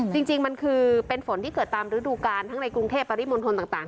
จริงมันคือเป็นฝนที่เกิดตามฤดูกาลทั้งในกรุงเทพปริมณฑลต่าง